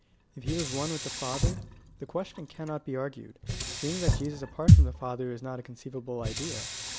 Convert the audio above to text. If he was one with the Father, the question cannot be argued, seeing that Jesus apart from the Father is not a conceivable idea.